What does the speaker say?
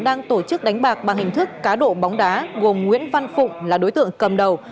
đang tổ chức đánh bạc bằng hình thức cá độ bóng đá gồm nguyễn văn phụng là đối tượng cầm đầu